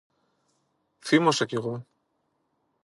Θύμωσα κι εγώ